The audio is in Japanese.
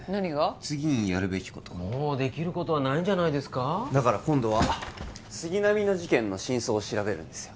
次にやるべきことがもうできることはないんじゃだから今度は杉並の事件の真相を調べるんですよ